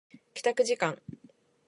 帰宅時間